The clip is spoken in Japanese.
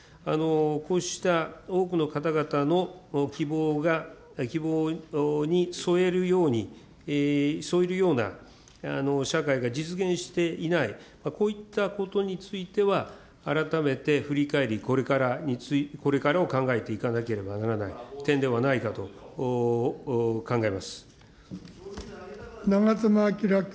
こうした多くの方々の希望に沿えるように、沿えるような社会が実現していない、こういったことについては、改めて振り返り、これからを考えていかなければならない点ではな長妻昭君。